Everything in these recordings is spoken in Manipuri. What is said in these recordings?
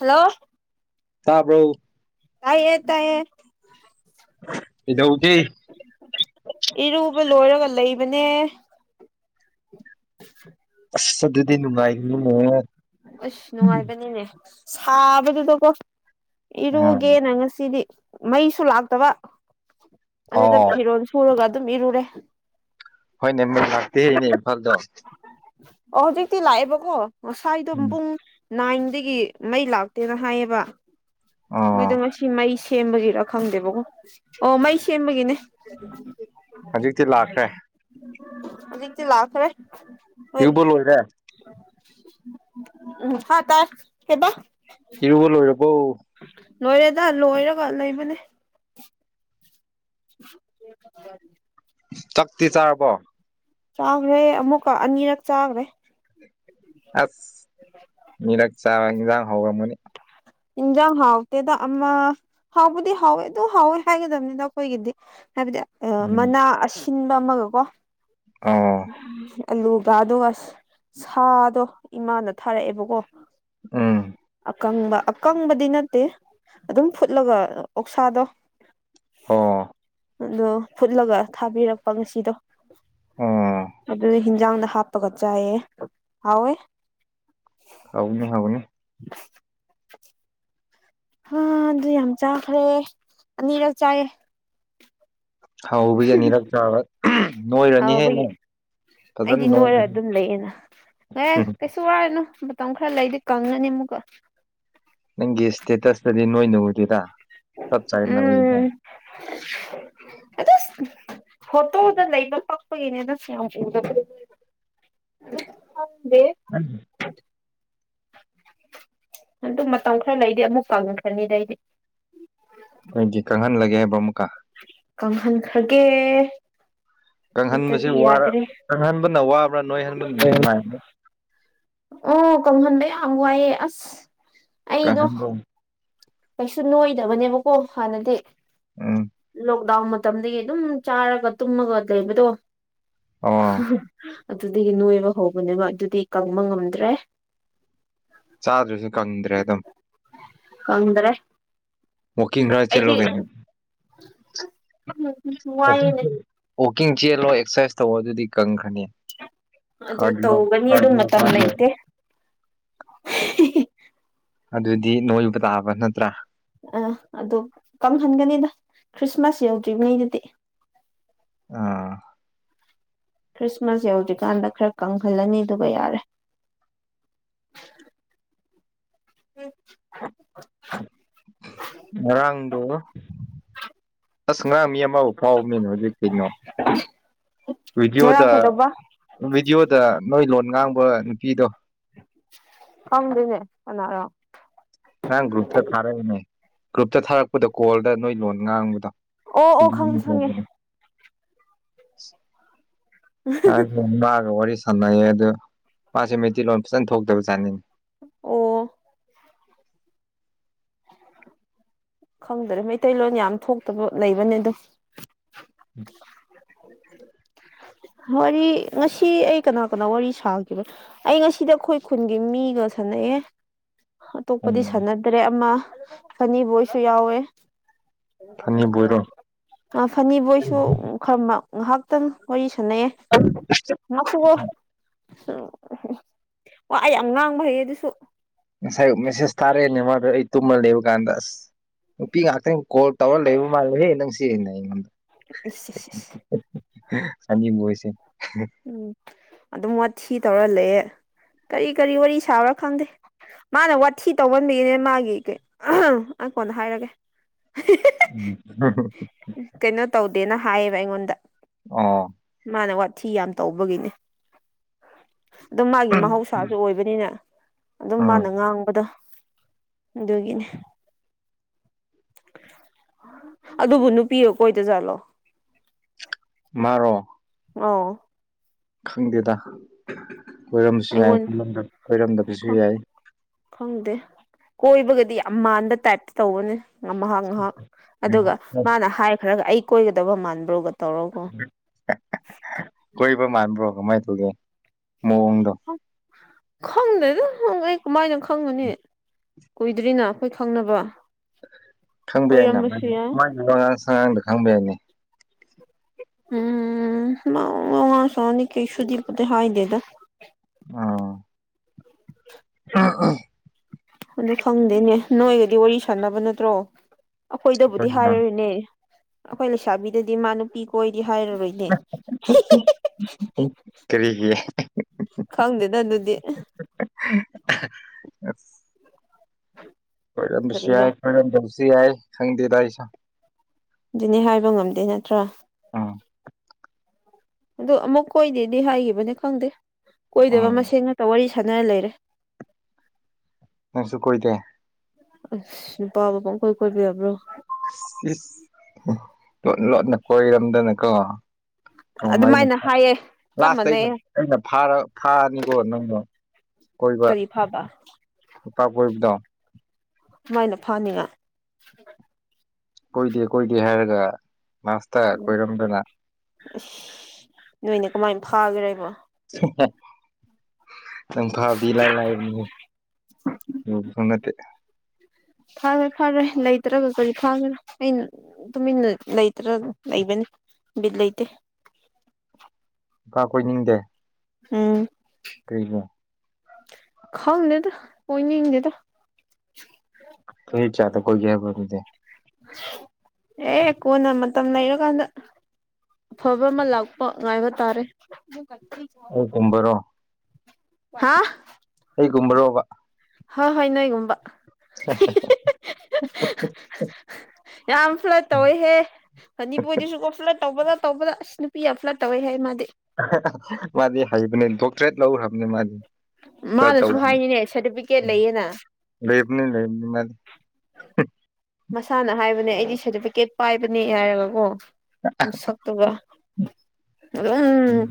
ꯍꯜꯂꯣ ꯇꯥꯕ꯭ꯔꯣ ꯇꯥꯏꯌꯦ ꯇꯥꯏꯌꯦ ꯀꯩꯗꯧꯒꯦ ꯏꯔꯨꯕ ꯂꯣꯏꯔꯒ ꯂꯩꯕꯅꯦ [inaudible] ꯑꯁ ꯑꯗꯨꯗꯤ ꯅꯨꯡꯉꯥꯏꯅꯤꯅꯦ ꯑꯁ ꯅꯨꯡꯉꯥꯏꯕꯅꯤꯅꯦ ꯁꯥꯕꯗꯨꯗꯀꯣ ꯎꯝ ꯏꯔꯨꯒꯦꯅ ꯉꯁꯤꯗꯤ ꯃꯩꯁꯨ ꯂꯥꯛꯇꯕ ꯑꯗꯨꯗ ꯑꯣ ꯐꯤꯔꯣꯜ ꯁꯨꯔꯒ ꯑꯗꯨꯝ ꯏꯔꯨꯔꯦ ꯍꯣꯏꯅꯦ ꯃ ꯂꯥꯛꯇꯦꯅꯦ ꯏꯝꯐꯥꯜꯗꯣ ꯑꯣ ꯍꯧꯖꯤꯛꯇꯤ ꯂꯥꯛꯑꯦꯕꯀꯣ ꯉꯁꯥꯏꯗꯣ ꯎꯝ ꯄꯨꯡ ꯅꯥꯏꯟꯗꯒꯤ ꯃꯩ ꯂꯥꯛꯇꯦꯅ ꯍꯥꯏꯌꯦꯕ ꯑꯣ ꯃꯣꯏꯗꯣ ꯉꯁꯤ ꯃꯩꯁ ꯁꯦꯕꯖꯤꯔ ꯈꯪꯗꯦꯕꯀꯣ ꯑꯣ ꯃꯩ ꯁꯦꯝꯕꯒꯤꯅꯦ ꯍꯧꯖꯤꯛꯇꯤ ꯂꯥꯛꯈ꯭ꯔꯦ ꯑꯗꯨꯗꯤ ꯂꯥꯛꯈꯔꯦ ꯏꯔꯨꯕ ꯂꯣꯏꯔꯦ ꯎ ꯍꯥ ꯇꯥꯢ ꯀꯩꯕ ꯏꯔꯨꯕ ꯂꯣꯏꯔꯕꯣ ꯂꯣꯏꯔꯦꯗ ꯂꯣꯏꯔꯒ ꯂꯩꯕꯅꯦ [unintelligible] ꯆꯥꯛꯇꯤ ꯆꯥꯔꯕꯣ ꯆꯥꯈ꯭ꯔꯦ ꯑꯃꯨꯛꯀ ꯑꯅꯤꯔꯛ ꯆꯥꯈ꯭ꯔꯦ ꯑꯁ ꯃꯤꯔ ꯆꯖꯥꯡ ꯍꯕ ꯃꯅꯤ ꯏꯟꯖꯥꯡ ꯍꯥꯎꯇꯦꯗ ꯑꯃ ꯍꯥꯎꯕꯗꯤ ꯍꯥꯎꯦ ꯑꯗꯨ ꯍꯥꯎꯦ ꯍꯒ ꯑꯗꯨꯕꯅꯤꯗ ꯀ ꯍ ꯑꯣꯏꯒꯗꯗꯤ ꯍꯥꯏꯕꯗꯤ ꯎꯝ ꯃꯅꯥ ꯑꯁꯤꯟꯕ ꯑꯃꯒꯀꯣ ꯑꯣ ꯑꯂꯨꯒ ꯑꯗꯨꯒ ꯁꯥꯗꯣ ꯏꯃꯥꯅ ꯊꯥꯔꯛꯑꯦꯕꯀꯣ ꯑꯝ ꯑꯀꯪꯕ ꯑꯀꯪꯕꯗꯤ ꯅꯠꯇꯦ ꯑꯗꯨꯝ ꯐꯨꯠꯂꯒ ꯑꯣꯛꯁꯥꯗꯣ ꯑꯣ ꯑꯗꯣ ꯐꯨꯠꯂꯒ ꯊꯥꯕꯤꯔꯛꯄ ꯉꯁꯤꯗꯣ ꯑꯗꯨꯗꯤ ꯍꯤꯟꯖꯥꯡꯗ ꯍꯥꯞꯄꯒ ꯆꯥꯢꯌꯦ ꯍꯥꯎꯋꯦ ꯍꯥꯎꯅ ꯍꯥꯎꯅ [unintelligible] ꯍꯥ ꯑꯗꯨ ꯌꯥꯝ ꯆꯥꯈ꯭ꯔꯦ ꯑꯅꯤꯔꯛ ꯆꯥꯏꯌꯦ ꯍꯧꯕꯁꯦ ꯑꯅꯤꯔꯛ ꯆꯥꯕ ꯅꯣꯏꯔꯅꯤ ꯍꯦꯟꯅ ꯍꯥꯎꯕꯒꯤ ꯐꯖꯅ ꯑꯩꯗꯤ ꯅꯣꯏꯔ ꯑꯗꯨꯝ ꯂꯩꯌꯦꯅ ꯉꯥꯏꯦ ꯀꯩꯁꯨ ꯋꯥꯔꯅꯨ ꯃꯇꯝ ꯈꯔ ꯂꯩꯗꯤ ꯀꯪꯉꯅꯤ ꯑꯃꯨꯛꯀ ꯅꯪꯒꯤ ꯏꯁꯇꯦꯇꯁꯇꯗꯤ ꯅꯣꯏꯅ ꯎꯗꯔꯥ ꯆꯞ ꯆꯥꯅ ꯎꯏꯔ ꯎꯝ ꯑꯗꯨꯁ ꯍꯣꯇꯣꯗ ꯂꯩꯕ ꯄꯥꯛꯄꯒꯤꯅꯦꯅꯁꯨ ꯌꯥꯝ ꯎꯗꯕ ꯎꯝ ꯑꯗꯨ ꯃꯇꯝ ꯈꯔ ꯂꯩꯗꯤ ꯑꯃꯨꯛ ꯄꯥꯡꯉꯟꯈ꯭ꯔꯅꯤꯗ ꯑꯩꯗꯤ ꯑꯩꯗꯤ ꯀꯪꯍꯜꯂꯒꯦ ꯍꯥꯏꯕ꯭ꯔꯣ ꯑꯃꯨꯛꯀꯥ ꯀꯪꯍꯟꯈ꯭ꯔꯒꯦ ꯀꯪꯍꯟꯕꯁꯤ ꯅꯠꯇꯗꯤ ꯋꯥꯔ ꯌꯥꯗ꯭ꯔꯦ ꯀꯪꯍꯟꯕꯅ ꯋꯥꯕ꯭ꯔꯥ ꯅꯣꯏꯍꯟꯕꯅ ꯅꯨꯡꯉꯥꯏꯕ꯭ꯔꯥ ꯑꯣ ꯀꯜꯍꯟꯗꯦ ꯑꯉꯋꯥꯏꯌꯦ ꯑꯁ ꯑꯩꯗꯣ ꯀꯍꯟꯗꯣ ꯀꯩꯁꯨ ꯅꯣꯏꯗꯕꯅꯦꯕꯀꯣ ꯍꯥꯟꯅꯗꯤ ꯎꯝ ꯗꯥꯎꯟ ꯃꯇꯝꯗꯒꯤ ꯑꯗꯨꯝ ꯆꯥꯔꯒ ꯇꯨꯝꯃꯒ ꯂꯩꯕꯗꯣ ꯑꯣ ꯑꯗꯨꯗꯒꯤ ꯅꯣꯏꯕ ꯍꯧꯕꯅꯦꯕ ꯑꯗꯨꯗꯤ ꯀꯪꯕ ꯉꯝꯗ꯭ꯔꯦ ꯆꯥꯗ꯭ꯔꯁꯨ ꯀꯪꯗ꯭ꯔꯦ ꯑꯗꯨꯝ ꯈꯗ꯭ꯔꯦ ꯋꯥꯀꯤꯡ ꯔ ꯆꯂꯒꯦ [unintelligible] ꯋꯥꯏꯑꯦꯅꯦ ꯋꯥꯋꯥꯛꯀꯤꯡ ꯆꯦꯜꯂꯣ ꯑꯦꯛꯁꯔꯁꯥꯏꯁ ꯇꯧ ꯑꯗꯨꯗꯤ ꯀꯪꯈ꯭ꯔꯅꯤ ꯑꯗꯨ ꯀꯗꯅ ꯇꯧꯒꯅꯤ ꯑꯗꯨ ꯃꯇꯝ ꯀ ꯂꯩꯇꯦ ꯑꯗꯨꯗꯤ ꯅꯣꯏꯕ ꯇꯥꯕ ꯅꯠꯇ꯭ꯔꯥ ꯑ ꯑꯗꯨ ꯀꯪꯍꯟꯒꯅꯤꯗ ꯈ꯭ꯔꯤꯁꯃꯥꯁ ꯌꯧꯗ꯭ꯔꯤꯉꯩꯗꯨꯗꯤ ꯑꯥ ꯈ꯭ꯔꯤꯁꯃꯥꯁ ꯌꯧꯗ꯭ꯔꯤꯀꯥꯟꯗ ꯈꯔ ꯀꯪꯍꯜꯂꯅꯤꯗꯨꯒ ꯌꯥꯔꯦ ꯍꯤ ꯎꯝ ꯉꯔꯥꯡꯗꯣ ꯑꯁ ꯉꯥꯡ ꯃꯤ ꯑꯃꯕꯨ ꯐꯥꯎꯕꯅꯤꯅ ꯍꯧꯖꯤꯛ ꯀꯩꯅꯣ ꯚꯤꯗꯤꯑꯣꯗ ꯉꯔꯥꯡ ꯀꯩꯗꯧꯕ ꯚꯤꯗꯤꯑꯣꯗ ꯅꯣꯏ ꯂꯣꯟ ꯉꯥꯡꯕ ꯅꯨꯄꯤꯗꯣ ꯈꯪꯗꯦꯅꯦ ꯀꯅꯥꯔꯥ ꯉꯔꯥꯡ ꯒ꯭ꯔꯨꯞꯇ ꯊꯥꯔꯛꯏꯅꯦ ꯒ꯭ꯔꯨꯞꯇ ꯊꯥꯔꯛꯄꯗꯣ ꯀꯣꯜꯗ ꯅꯣꯏ ꯂꯣꯟ ꯉꯥꯡꯕꯗꯣ ꯑꯣ ꯑꯣ ꯈꯪꯉꯦ ꯈꯪꯉꯦ ꯗ ꯃꯥꯒ ꯋꯥꯔꯤ ꯁꯥꯟꯅꯩꯌꯦ ꯑꯗꯨꯗ ꯃꯥꯁꯦ ꯃꯩꯇꯩꯂꯣꯟ ꯐꯖꯅ ꯊꯣꯛꯇꯕꯖꯥꯠꯅꯦ ꯑꯣ ꯈꯪꯗꯔꯦ ꯃꯩꯇꯩꯂꯣꯟ ꯌꯥꯝ ꯊꯣꯛꯇꯕ ꯂꯩꯕꯅꯦ ꯑꯣ ꯎꯝ ꯍꯤ ꯋꯥꯔꯤ ꯉꯁꯤ ꯑꯩ ꯀꯅꯥ ꯀꯅꯥ ꯋꯥꯔꯤ ꯁꯥꯈꯤꯕ ꯑꯩ ꯉꯁꯤꯗꯤ ꯑꯩꯈꯣꯏ ꯈꯨꯟꯒꯤ ꯃꯤꯒ ꯁꯅꯥꯌꯦ ꯒ ꯑꯇꯣꯞꯄꯗꯤ ꯁꯥꯟꯅꯗ꯭ꯔꯦ ꯑꯃ ꯐꯅꯤꯕꯣꯏꯁꯨ ꯌꯥꯎꯋꯦ ꯐꯅꯤꯕꯣꯏꯔꯣ ꯐꯅꯤꯕꯣꯏꯁꯨ ꯈꯔ ꯉꯥꯏꯍꯥꯛꯇꯪ ꯋꯥꯔꯤ ꯁꯥꯅꯥꯌꯦ ꯑꯣ ꯋꯥ ꯌꯥꯝ ꯉꯥꯡꯕ ꯍꯩꯌꯦ ꯑꯗꯨꯁꯨ ꯉꯁꯥꯏ ꯃꯦꯁꯦꯁ ꯇꯥꯔꯛꯑꯦꯅꯦ ꯃꯥꯗꯣ ꯑꯩ ꯇꯨꯝꯃ ꯂꯩꯕ ꯀꯥꯟꯗꯁ ꯅꯨꯄꯤ ꯉꯥꯛꯇꯅꯤ ꯀꯣꯜ ꯇꯧꯔꯒ ꯂꯩꯕ ꯃꯥꯜꯂꯦꯍꯦ ꯅꯪꯁꯦ ꯑꯩꯉꯣꯟꯗ ꯁꯦ ꯁꯅꯤꯕꯣꯏꯁꯦ ꯎꯝ ꯑꯗꯨꯝ ꯋꯥꯊꯤ ꯇꯧꯔꯥ ꯂꯩꯌꯦ ꯀꯔꯤ ꯀꯔꯤ ꯋꯥꯔꯤ ꯁꯥꯕꯔꯥ ꯈꯪꯗꯦ ꯃꯥꯅ ꯋꯥꯊꯤ ꯇꯧꯍꯟꯕꯒꯤꯅꯦ ꯃꯥꯒꯤ ꯑꯩꯉꯣꯟꯗ ꯑꯩ ꯀꯣꯟꯅꯥ ꯍꯥꯏꯔꯒꯦ ꯀꯩꯅꯣ ꯎꯝ ꯇꯧꯗꯦꯅ ꯍꯥꯏꯌꯦꯕ ꯑꯩꯉꯣꯟꯗ ꯑꯣ ꯃꯥꯅ ꯋꯥꯊꯤ ꯌꯥꯝ ꯇꯧꯕꯒꯤꯅꯦ ꯑꯗꯨꯝ ꯃꯥꯒꯤ ꯃꯍꯧꯁꯥꯁꯨ ꯑꯣꯏꯕꯅꯤꯅ ꯑꯗꯨꯝ ꯃꯥꯅ ꯎꯝ ꯉꯥꯡꯕꯗ ꯗꯨꯒꯤꯅꯦ ꯑꯗꯨꯕꯨ ꯅꯨꯄꯤꯔꯣ ꯀꯣꯏꯗꯖꯥꯠꯂꯣ ꯃꯥꯔꯣ ꯑꯧ ꯈꯪꯗꯦꯗ ꯀꯣꯏꯔꯝꯕꯁꯨ ꯌꯥꯏ ꯑꯩꯉꯣꯟ ꯀꯣꯏꯔꯝꯗꯕꯁꯨ ꯌꯥꯏ ꯈꯪꯗꯦ ꯀꯣꯏꯕꯒꯗꯤ ꯌꯥꯝ ꯃꯥꯟꯕ ꯇꯥꯏꯞꯇ ꯇꯧꯕꯅꯦ ꯉꯥꯛ ꯉꯍꯥꯛ ꯑꯗꯨꯒ ꯃꯥꯅ ꯍꯥꯏꯈ꯭ꯔꯒ ꯑꯩ ꯀꯣꯏꯒꯗꯕ ꯃꯥꯟꯕ꯭ꯔꯣꯒ ꯇꯧꯔꯒ ꯀ ꯃꯥꯟꯕ꯭ꯔꯣ ꯀꯃꯥꯏꯅ ꯇꯧꯒꯦ ꯃꯑꯣꯡꯗ ꯈꯪꯗꯦꯗ ꯑꯩ ꯀꯃꯥꯏꯅ ꯈꯪꯉꯨꯅꯤ ꯀꯨꯏꯗ꯭ꯔꯤꯅ ꯑꯩꯈꯣꯏ ꯈꯪꯅꯕ ꯈꯪꯕ ꯌꯥꯏꯅ ꯀꯣꯏꯔꯝꯕꯁꯨ ꯌꯥꯏ ꯃꯒꯤ ꯋꯥꯉꯥꯡ ꯁꯉꯥꯡꯗ ꯈꯪꯕ ꯌꯥꯏꯅꯦ ꯎꯝ ꯋꯥꯉꯥꯡ ꯗꯤ ꯀꯩꯁꯨꯕꯨꯗꯤ ꯍꯥꯏꯗꯦꯗ ꯑꯣ ꯑ ꯑꯗꯨ ꯈꯪꯗꯦꯅꯦ ꯅꯣꯏꯒꯗꯤ ꯋꯥꯔꯤ ꯁꯥꯟꯅꯕ ꯅꯠꯇ꯭ꯔꯣ ꯑꯩꯈꯣꯏꯗꯕꯨꯗꯤ ꯍꯥꯏꯔꯣꯏꯅꯦ ꯑꯩꯈꯣꯏ ꯂꯩꯁꯥꯕꯤꯗꯗꯤ ꯃꯥ ꯅꯨꯄꯤ ꯀꯣꯏꯗꯤ ꯍꯥꯏꯔꯔꯣꯏꯅꯦ ꯀꯔꯤꯒꯤ ꯈꯪꯗꯦꯗ ꯑꯗꯨꯗꯤ ꯄꯔꯝꯕꯁꯤ ꯀꯔꯤꯔꯣ ꯍꯥꯏ ꯄ ꯁꯤ ꯌꯥꯏ ꯁꯪꯗꯤꯤꯗꯥꯏꯁ ꯑꯗꯨꯅꯦ ꯍꯥꯏꯕ ꯉꯝꯗꯦ ꯅꯠꯇ꯭ꯔꯥ ꯑꯥ ꯑ ꯑꯃꯨꯛ ꯀꯣꯏꯗꯦꯗꯤ ꯍꯥꯏꯈꯤꯕꯅꯤ ꯈꯪꯗꯦ ꯀꯣꯏꯗꯕ ꯎꯝ ꯃꯁꯤꯡꯁꯦꯟ ꯉꯥꯛꯇ ꯋꯥꯔꯤ ꯈꯅ ꯂꯩꯔꯦ ꯅꯁꯨꯨ ꯀꯣꯏꯗꯦ ꯑꯁ ꯅꯨꯄꯥ ꯃ ꯄꯪ ꯀꯣꯏ ꯀꯣꯏꯕꯤꯕ꯭ꯔꯣ ꯏꯁ ꯂꯣꯠ ꯂꯣꯠꯅ ꯀꯣꯏꯔꯝꯗꯅꯀꯣ ꯃ ꯑꯩꯅ ꯑꯗꯨꯃꯥꯏꯅ ꯍꯥꯏꯌꯦ ꯆꯞ ꯂꯥꯁꯇ ꯑꯩꯅ ꯃꯥꯟꯅꯩꯌꯦ ꯑꯩꯅ ꯐꯥꯔꯅꯤꯀꯣ ꯅꯪꯅ ꯀꯣꯏꯕ ꯀꯔꯤ ꯐꯥꯕ ꯅꯨꯄꯥꯛ ꯀꯣꯏꯕꯗꯣ ꯁꯨꯃꯥꯏꯅ ꯐꯅꯤꯉ ꯀꯣꯏꯗꯦ ꯀꯣꯏꯗꯦ ꯍꯥꯏꯔꯒ ꯂꯁꯇ ꯀꯣꯏꯔꯝꯗꯅ ꯅꯣꯏꯅ ꯀꯃꯥꯏꯅ ꯐꯥꯈ꯭ꯔꯦꯕꯣ [unintelligible] ꯈꯤꯇꯪ ꯐꯥꯕꯗꯤ ꯂꯥꯏ ꯂꯥꯏꯕꯅꯤ ꯑꯗꯨꯁꯨ ꯅꯠꯇꯦ ꯐꯥꯔꯦ ꯐꯥꯔꯦ ꯂꯩꯇ꯭ꯔꯒ ꯀꯔꯤ ꯐꯥꯈ꯭ꯔꯥ ꯑꯩꯅ ꯇꯨꯃꯤꯟꯅ ꯂꯩꯇ꯭ꯔꯥ ꯂꯩꯕꯅꯤ ꯜꯩꯗꯤ ꯏꯀꯥ ꯀꯣꯏꯅꯤꯡꯗꯦ ꯎꯝ ꯀꯩꯗ ꯈꯥꯎꯗꯦꯗ ꯀꯣꯏꯅꯗꯦꯗ ꯊ ꯏ ꯆꯥꯇ ꯀꯣꯏ ꯀꯦꯕꯗꯦ ꯑꯦ ꯀꯣꯟꯅ ꯃꯇꯝ ꯂꯩꯔꯀꯥꯟꯗ ꯑꯐꯕ ꯑꯃ ꯂꯥꯛꯄ ꯉꯥꯏꯕ ꯇꯥꯔꯦ ꯑ ꯇꯝꯕꯔꯣ ꯍꯥ ꯀꯨꯝꯕꯔꯣꯕ ꯍ ꯍꯣꯏ ꯅꯣꯏꯒꯨꯝꯕ [unintelligible] ꯌꯥꯝ ꯐ꯭ꯂꯠ ꯇꯧꯋꯦꯍꯦ ꯐꯅꯤꯄꯨꯔꯗꯨꯁꯨꯀꯣ ꯐ꯭ꯂꯠ ꯇꯧꯕ ꯅ ꯇꯧꯕꯗ ꯑꯁ ꯅꯨꯄꯤ ꯌꯥꯝ ꯐ꯭ꯂꯠ ꯇꯧꯋꯦ ꯍꯥꯏ ꯃꯥꯗꯤ ꯃꯥꯗꯤ ꯍꯩꯕꯅꯦ ꯗꯣꯛꯇꯔꯦꯠ ꯂꯧꯈ꯭ꯔꯕꯅꯦ ꯃꯥꯗꯤ ꯆ ꯃꯥꯅꯁꯨ ꯍꯥꯏꯅꯤꯅꯦ ꯁꯥꯔꯇꯤꯐꯤꯀꯦꯠ ꯂꯩꯌꯦꯅ ꯂꯦꯕꯅꯤ ꯂꯩꯅꯤ [unintelligible] ꯃꯁꯥꯅ ꯍꯥꯏꯕꯅꯦ ꯑꯩꯗꯤ ꯁꯥꯔꯇꯤꯐꯤꯀꯦꯠ ꯄꯥꯏꯕꯅꯦ ꯍꯥꯏꯔꯒꯀꯣ ꯁꯛꯕ ꯎꯝ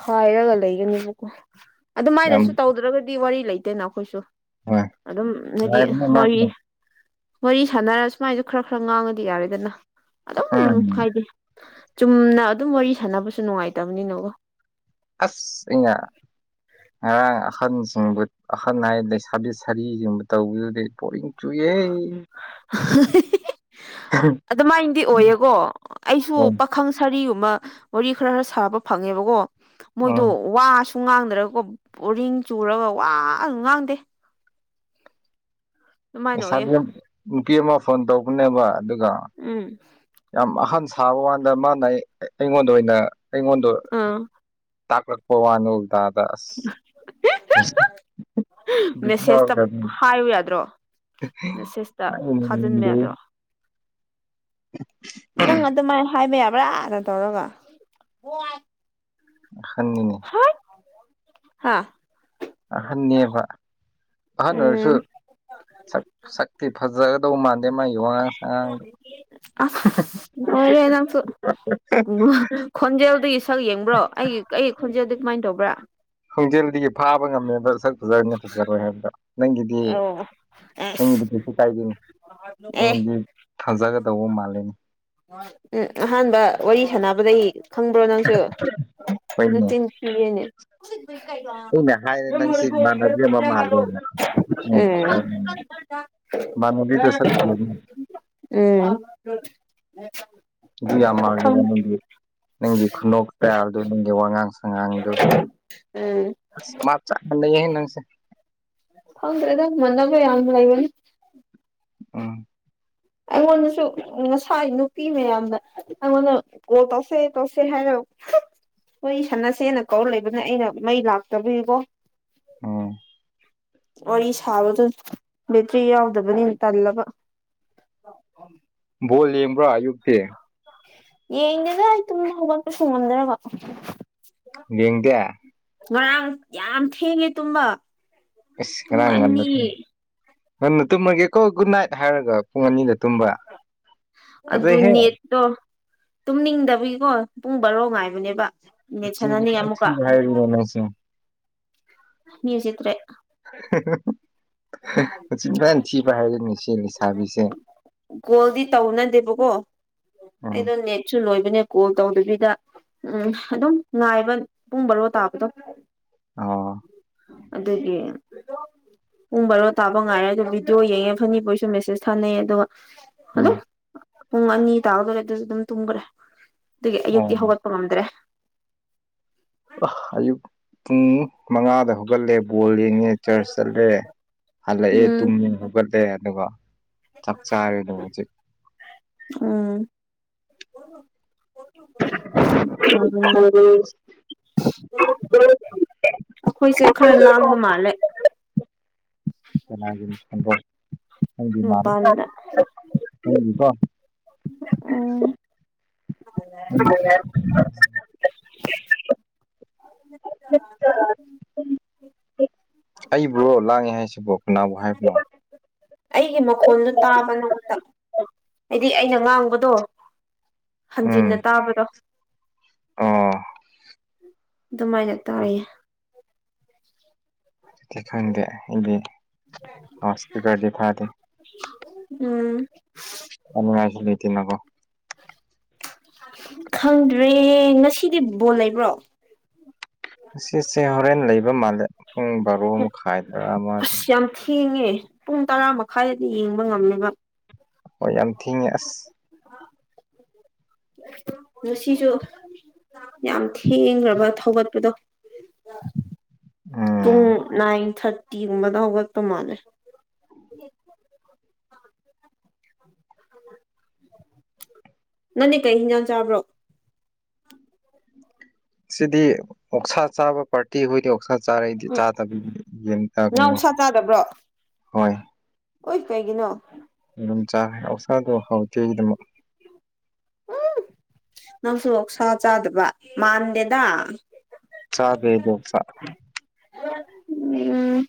ꯈꯥꯏꯔꯒ ꯂꯩꯒꯅꯦꯕꯀꯣ ꯑꯗꯨꯃꯥꯏꯅꯁꯨ ꯌꯥꯝ ꯇꯧꯗ꯭ꯔꯒꯗꯤ ꯋꯥꯔꯤ ꯂꯩꯇꯦꯅ ꯑꯩꯈꯣꯏꯁꯨ ꯑꯗꯨꯝ ꯍꯥꯏꯗꯤ ꯍꯣꯏ ꯅꯨꯡꯉꯥꯏꯕꯅꯦ ꯍꯣꯏ ꯃꯥꯁꯨ ꯋꯥꯔꯤ ꯁꯥꯟꯅꯔ ꯁꯨꯃꯥꯏꯁꯨ ꯈꯔ ꯈꯔ ꯉꯥꯡꯉꯗꯤ ꯌꯥꯔꯦꯗꯅ ꯑꯗꯨꯝ ꯎꯝ ꯍꯥꯏꯗꯤ ꯆꯨꯝꯅ ꯑꯗꯨꯝ ꯋꯥꯔꯤ ꯁꯥꯟꯅꯕꯁꯨ ꯅꯨꯡꯉꯥꯏꯇꯕꯅꯤꯅꯒ ꯑꯁ ꯑꯩꯅ ꯉꯔꯥꯡ ꯑꯈꯟꯁꯤꯡꯕꯨ ꯑꯈꯟ ꯍꯥꯏꯗ ꯁꯥꯕꯤ ꯁꯥꯔꯤꯁꯤꯡꯕꯨ ꯇꯧꯕꯤꯗꯨꯗꯗꯤ ꯄꯣꯔꯤꯡ ꯆꯨꯌꯦꯦ ꯎꯝ ꯑꯗꯨꯃꯥꯏꯅꯗꯤ ꯑꯣꯏꯌꯦꯀꯣ ꯑꯩꯁꯨ ꯎꯝ ꯄꯥꯈꯪ ꯁꯥꯔꯤ ꯋꯥꯔꯤ ꯈꯔ ꯈꯔ ꯁꯥ ꯐꯪꯉꯦꯕꯀꯣ ꯃꯣꯏꯗ ꯁꯨꯡ ꯉꯥꯡꯗ꯭ꯔꯒꯀꯣ ꯔꯤꯡ ꯆꯨꯔꯒ ꯋꯥ ꯑꯗꯨꯝ ꯉꯥꯡꯗꯦ ꯑꯗꯨꯃꯥꯏꯅ ꯑꯣꯏꯌꯦ ꯏꯁꯥꯗ ꯅꯨꯄꯤ ꯑꯃ ꯐꯣꯟ ꯇꯧꯕꯅꯦꯕ ꯑꯗꯨꯒ ꯎꯝ ꯌꯥꯝ ꯑꯍꯟ ꯊꯥꯕ ꯀꯥꯟꯗ ꯃꯥꯅ ꯑꯩꯉꯣꯟꯗ ꯑꯣꯏꯅ ꯑꯩꯉꯣꯟꯗꯣ ꯑꯥ ꯇꯥꯀꯠ ꯄ ꯋꯥꯅ ꯎ ꯗꯗ ꯃꯦꯁꯦꯁꯇ ꯍꯥꯏꯌꯨ ꯌꯥꯗ꯭ꯔꯣ ꯃꯦꯁꯦꯁꯇ ꯗ ꯊꯥꯖꯤꯟꯕ ꯌꯥꯗ꯭ꯔꯣ ꯅꯪ ꯑꯗꯨꯃꯥꯏꯅ ꯍꯥꯏꯕ ꯌꯥꯕ꯭ꯔꯥꯅ ꯇꯧꯔꯒ ꯁ ꯁꯟꯅꯤꯅꯦ ꯍꯥꯥ ꯑꯍꯟꯅꯦꯕ ꯑꯍꯟ ꯑꯣꯏꯔꯁꯨ ꯎꯝ ꯁꯛ ꯁꯛꯇꯤ ꯐꯖꯒꯗꯧ ꯃꯥꯟꯗꯦ ꯃꯥꯒꯤ ꯋꯥꯉꯥꯡ ꯁꯉꯥꯡꯒ ꯑ ꯑꯣꯏꯔ ꯅꯪꯁꯨ ꯎ ꯈꯣꯟꯖꯦꯜꯒꯤ ꯁꯛ ꯌꯦꯡꯕ꯭ꯔꯣ ꯑꯩꯒꯤ ꯑꯩꯒꯤ ꯈꯣꯟꯖꯦꯜꯗꯨ ꯀꯃꯥꯏꯅ ꯇꯧꯕ꯭ꯔꯥ ꯍꯣꯡꯖꯦꯜꯗꯒꯤ ꯐꯥꯕ ꯉꯝꯃꯦꯕ ꯁꯛ ꯐꯖꯔꯅꯦ ꯐꯖꯔꯣꯏ ꯍꯥꯏꯕꯗ ꯅꯪꯒꯤꯗꯤ ꯑꯧ ꯑꯁ ꯅꯪꯒꯤꯗꯤ ꯀꯩꯁꯨ ꯀꯥꯏꯗꯅꯤ ꯑꯦ ꯗꯤ ꯊꯥꯖꯒꯗꯧꯕ ꯃꯥꯜꯂꯅꯦ ꯎꯝ ꯑꯍꯥꯟꯕ ꯋꯥꯔꯤ ꯁꯥꯟꯅꯕꯗꯒꯤ ꯈꯪꯕ꯭ꯔꯣ ꯅꯪꯁꯨ ꯍꯣꯏꯅꯦ ꯅꯠꯇ ꯀꯅꯦ ꯑꯩꯅ ꯍꯥꯏꯔꯦ ꯅꯪꯁꯤ ꯔꯒꯣ ꯏꯃꯥꯟꯅꯕꯤ ꯑꯃ ꯃꯥꯃꯕꯤ ꯇ ꯁ ꯎꯝ ꯑꯗꯨ ꯌꯥꯝ ꯃꯥꯡꯂꯕ ꯅꯪꯒꯤ ꯅꯪꯒꯤ ꯈꯨꯅꯣꯛ ꯇꯌꯥꯗꯨ ꯅꯪꯒꯤ ꯋꯥꯉꯥꯡꯁ ꯑꯉꯥꯡꯗꯨꯣ ꯎꯝ ꯑꯁ ꯃꯥꯞ ꯆꯥ ꯍꯟꯅꯩꯌꯦ ꯅꯪꯁꯦ ꯍꯗ꯭ꯔꯗ ꯃꯅꯥꯕ ꯌꯥꯂ ꯏꯕꯅꯤ ꯑ ꯑꯩꯉꯣꯟꯗꯁꯨ ꯉꯁꯥꯏ ꯅꯨꯄꯤ ꯃꯌꯥꯝꯗ ꯑꯩꯉꯣꯟꯗ ꯑꯣ ꯇꯧꯁꯦ ꯇꯧꯁꯦ ꯍꯥꯏꯔ [unintelligible] ꯍꯣꯏ ꯁꯥꯟꯅꯁꯦꯅ ꯀꯧꯔ ꯂꯩꯕꯅꯦ ꯑꯩꯅ ꯃꯩ ꯂꯥꯛꯇꯕꯕꯣ ꯑꯣ ꯋꯥꯔꯤ ꯁꯥꯕꯗꯨ ꯕꯦꯇ꯭ꯔꯤ ꯌꯥꯎꯗꯕꯅꯤꯅ ꯇꯜꯂꯕ [inaudible] ꯕꯣꯜ ꯌꯦꯡꯕ꯭ꯔꯣ ꯑꯌꯨꯛꯛꯇꯦ ꯌꯦꯡꯒꯦꯗ ꯑꯩ ꯇꯨꯝꯗ ꯍꯧꯒꯠꯄ ꯁꯨꯡꯉꯝꯗ꯭ꯔꯕ ꯌꯦꯒ ꯉꯔꯥꯡ ꯌꯥꯝ ꯊꯦꯡꯉꯦ ꯇꯨꯝꯕ ꯄꯨꯡ ꯔꯒꯥꯟ ꯑꯅꯤ ꯉꯟꯅ ꯇꯨꯝꯃꯒꯦꯀꯣ ꯒꯨꯗ ꯅꯥꯏꯠ ꯍꯥꯏꯔꯒ ꯄꯨꯡ ꯑꯅꯤꯗ ꯇꯨꯝꯕ ꯑꯗꯨ ꯑꯗꯩꯍꯦ ꯅꯦꯠꯇꯣ ꯇꯨꯝꯅꯤꯡꯗꯕꯤꯒꯤꯀꯣ ꯄꯨꯡ ꯕꯥꯔꯣ ꯉꯥꯏꯕꯅꯦꯕ ꯅꯦꯠ ꯁꯥꯟꯅꯅꯤꯡꯉꯦ ꯑꯃꯨꯛꯀ ꯍꯥꯏꯕꯤꯔꯂꯁꯤ ꯃꯤ ꯆꯗ꯭ꯔꯦ ꯆꯕꯥꯟꯁꯤꯕ ꯍꯥꯏꯔ ꯃꯤꯁꯤ ꯆꯕꯤꯁꯦ ꯒꯣꯜꯗꯤ ꯇꯧꯅꯗꯦꯕꯀꯣ ꯎꯝ ꯑꯩꯗꯣ ꯅꯦꯠꯁꯨ ꯂꯣꯏ ꯅꯦ ꯀꯣꯜ ꯇꯧꯗꯕꯤꯗ ꯎꯝ ꯑꯗꯨꯝ ꯉꯥꯏꯕ ꯄꯨꯡ ꯔꯣ ꯇꯥꯕꯗꯣ ꯑꯣ ꯑꯗꯨꯗꯒꯤ ꯄꯨꯡ ꯕꯥꯔꯣ ꯇꯥꯕ ꯉꯥꯏꯔꯦ ꯑꯗꯨꯣ ꯚꯤꯗꯤꯑꯣ ꯌꯦꯡꯉꯦ ꯐꯅꯤꯄꯣꯏꯁꯨ ꯃꯦꯁꯦꯁ ꯊꯥꯅꯩ ꯑꯗꯨꯒ ꯑꯗꯨꯝ ꯑ ꯄꯨꯡ ꯑꯅꯤ ꯇꯥꯒꯗꯧꯣꯔꯦ ꯑꯗꯨꯁꯨ ꯑꯗꯨꯝ ꯇꯨꯝꯈ꯭ꯔꯦ ꯑꯗꯨꯒꯤ ꯑꯣ ꯑꯌꯨꯛꯇꯤ ꯍꯧꯒꯠꯄ ꯉꯝꯗ꯭ꯔꯦ ꯑ ꯑꯌꯨꯛ ꯄꯨꯡ ꯃꯉꯥꯗ ꯍꯧꯒꯠꯂꯦꯕꯨ ꯕꯣꯜ ꯌꯦꯡꯉꯦ ꯆꯔꯆ ꯆꯠꯂꯦ ꯍꯜꯂꯛꯑꯦ ꯎꯝ ꯇꯨꯝ ꯌꯦ ꯍꯧꯒꯠꯂꯦ ꯑꯗꯨꯒ ꯆꯞꯆꯥ ꯍꯥꯏꯗ ꯃꯣꯖꯤꯦ ꯎꯝ ꯐꯔ ꯑꯩꯈꯣꯏꯁꯦ ꯈꯔ ꯂꯥꯡꯕ ꯃꯥꯜꯂꯦ ꯆꯪ ꯃꯄꯥꯟꯗ ꯃꯥ ꯍꯀꯣ ꯑꯣ ꯎ ꯑꯩꯕ꯭ꯔꯣ ꯂꯥꯡꯉꯦ ꯍꯥꯏꯁ ꯑꯩꯒꯤ ꯃꯈꯣꯟꯗꯨ ꯇꯥꯕ ꯅꯉꯣꯟꯗ ꯍꯥꯏꯗꯤ ꯑꯩꯅ ꯉꯥꯡꯕꯗꯣ ꯍꯟꯖꯤꯟꯅ ꯇꯥꯕꯗꯣ ꯑ ꯑꯗꯨꯃꯥꯏꯅ ꯇꯥꯔꯌꯦ ꯑꯗꯨꯗꯤ ꯈꯪꯗꯦ ꯑꯩꯗꯤ ꯏꯁꯄꯤꯀꯔꯗꯤ ꯊꯥꯗꯦ ꯎꯝ ꯀꯉꯥꯏꯁꯇꯅꯀꯣ ꯈꯪꯗ꯭ꯔꯦ ꯉꯁꯤꯗꯤ ꯕꯣꯜ ꯂꯩꯕ꯭ꯔꯣ ꯉꯁꯦ ꯍꯣꯔꯦꯟ ꯂꯩꯕꯦ ꯄꯨꯡ ꯕꯥꯔꯣ ꯃꯈꯥꯏꯗ ꯑꯃꯗ ꯍꯡꯉꯦ ꯄꯨꯡ ꯇꯔꯥ ꯃꯈꯥꯏꯗꯗꯤ ꯌꯦꯡꯕ ꯉꯝꯃꯦꯕ ꯍꯣꯏ ꯌꯥꯝ ꯊꯤꯦ ꯑꯁ ꯂꯅꯨꯡꯁꯤꯁꯨ ꯌꯥꯝ ꯊꯦꯡꯈ꯭ꯔꯕ ꯊꯧꯒꯠꯄꯗꯣ ꯇꯨꯡ ꯎꯝ ꯊꯔꯇꯤꯒꯨꯝ ꯃꯗꯥ ꯍꯧꯒ ꯇ ꯃꯥꯂꯦ ꯅꯪꯅꯤ ꯀꯩ ꯍꯤꯟꯖꯥꯡ ꯆꯥꯕ꯭ꯔꯣ ꯁꯤꯗꯤ ꯑꯣꯛꯁꯥ ꯆꯥꯕ ꯄꯥꯔꯇꯤ ꯍꯣꯏꯗꯤ ꯄꯥꯛꯁꯥ ꯆꯥꯔꯛꯏꯗꯤ ꯎꯝ ꯆꯥꯗꯕꯤ ꯌꯦ ꯅꯪ ꯀꯩꯅꯣ ꯑꯣꯛꯁꯥ ꯍꯣꯏ ꯑꯣꯏꯤꯁꯄꯒꯤ ꯅꯣ ꯎ ꯆꯥꯔꯦ ꯑꯧꯁꯥꯗꯣ ꯍꯥꯎꯇꯦꯒꯤꯗꯃꯛ ꯅꯁꯨ ꯁ ꯆꯗꯕ ꯃꯥꯗꯦꯗ ꯆꯗꯗꯣ ꯆ ꯎꯝ